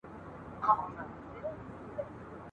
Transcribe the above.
په لښکر کي یې شامل وه ټول قومونه !.